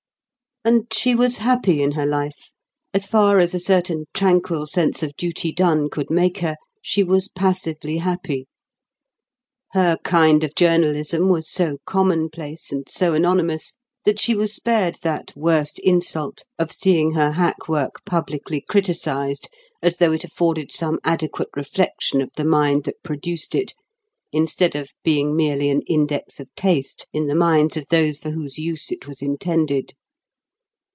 And she was happy in her life; as far as a certain tranquil sense of duty done could make her, she was passively happy. Her kind of journalism was so commonplace and so anonymous that she was spared that worst insult of seeing her hack work publicly criticised as though it afforded some adequate reflection of the mind that produced it, instead of being merely an index of taste in the minds of those for whose use it was intended.